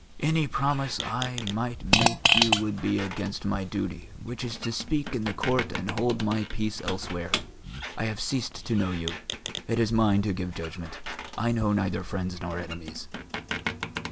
Any promise I might make you would be against my duty, which is to speak in the Court and hold my peace elsewhere. I have ceased to know you. It is mine to give judgment; I know neither friends nor enemies."